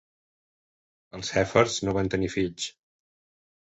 Els Heffers no van tenir fills.